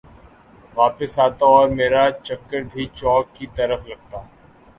واپس آتا اورمیرا چکر بھی چوک کی طرف لگتا